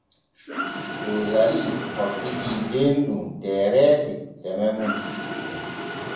Roosali hokkitii Denɗum Tereesi teme mum.